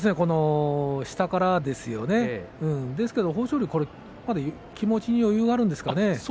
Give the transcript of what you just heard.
下からですよね、豊昇龍気持ちに余裕があるんですかね。